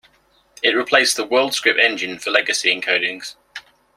It replaced the WorldScript engine for legacy encodings.